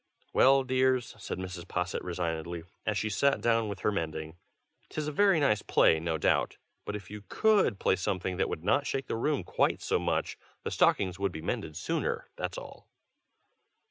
"Well, dears," said Mrs. Posset, resignedly, as she sat down with her mending, "'tis a very nice play, no doubt; but if you could play something that would not shake the room quite so much, the stockings would be mended sooner, that's all."